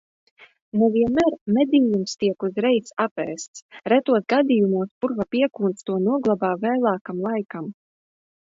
Ne vienmēr medījums tiek uzreiz apēsts, retos gadījumos purva piekūns to noglabā vēlākam laikam.